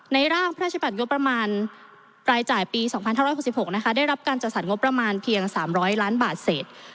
ในร่างประชบัตรยกประมาณรายจ่ายปี๒๐๑๖ได้รับการจัดสรรงบประมาณเพียง๓๐๐ล้านบาทเสร็จ